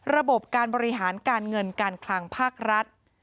ระบบการบริหารการเงินการคลังภาครัฐ